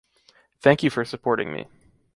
Thank you for supporting me